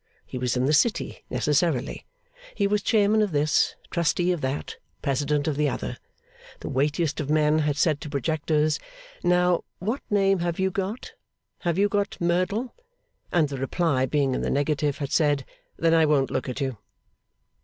He was in the City, necessarily. He was Chairman of this, Trustee of that, President of the other. The weightiest of men had said to projectors, 'Now, what name have you got? Have you got Merdle?' And, the reply being in the negative, had said, 'Then I won't look at you.